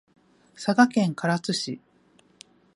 佐賀県唐津市